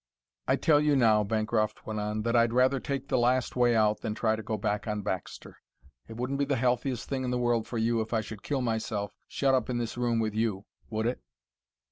"I tell you now," Bancroft went on, "that I'd rather take the last way out than try to go back on Baxter. It wouldn't be the healthiest thing in the world for you if I should kill myself shut up in this room with you, would it?"